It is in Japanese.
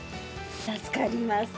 助かります。